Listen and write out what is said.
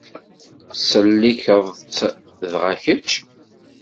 Tettsellikeḍ-tt, dɣa kečč.